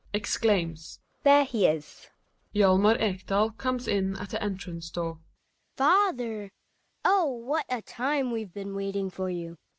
GiNA {exclaims). There he is! Hjalmar Ekdal comes in at the entrance door. Hedvig. Father ! Oh, what a time we've been waiting for you